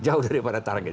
jauh daripada target